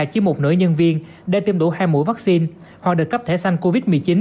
chỉ một nửa nhân viên đã tiêm đủ hai mũi vaccine hoặc được cấp thẻ sanh covid một mươi chín